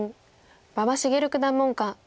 馬場滋九段門下。